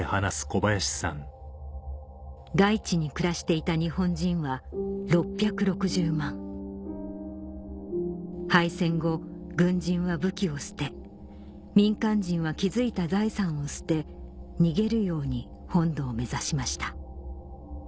外地に暮らしていた日本人は６６０万敗戦後軍人は武器を捨て民間人は築いた財産を捨て逃げるように本土を目指しました